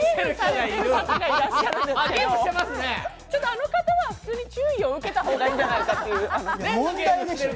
あの方は普通に注意を受けた方がいいんじゃないかという。